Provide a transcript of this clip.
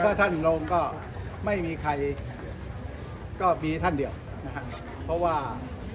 แสดงว่าธรรมน์โรง็ไม่มีใครก็มีท่านเดียวนะฮะเพราะว่า